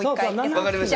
分かりました。